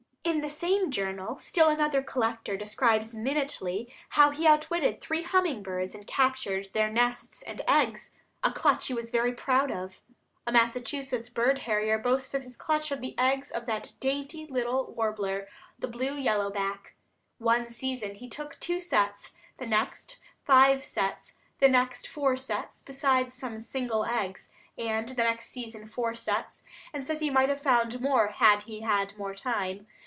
In the same journal still another collector describes minutely how he outwitted three humming birds and captured their nests and eggs, a clutch he was very proud of. A Massachusetts bird harrier boasts of his clutch of the egg's of that dainty little warbler, the blue yellow back. One season he took two sets, the next five sets, the next four sets, besides some single eggs, and the next season four sets, and says he might have found more had he had more time.